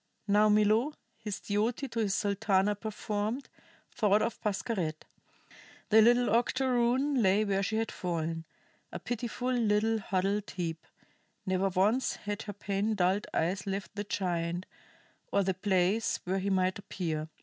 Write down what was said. Now Milo, his duty to his Sultana performed, thought of Pascherette. The little octoroon lay where she had fallen, a pitiful little huddled heap; never once had her pain dulled eyes left the giant, or the place where he might appear.